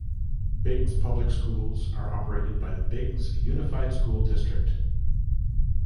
Biggs's public schools are operated by the Biggs Unified School District.